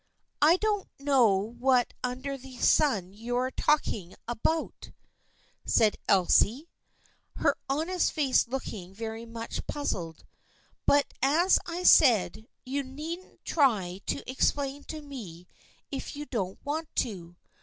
" I don't know what under the sun you are talk ing about," said Elsie, her honest face looking very much puzzled, " but as I said, you needn't try to explain to me if you don't want to.